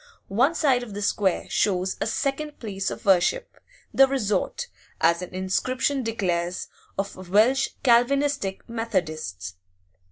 One side of the square shows a second place of worship, the resort, as an inscription declares, of 'Welsh Calvinistic Methodists.